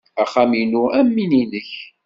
Axxam-inu am win-nnek.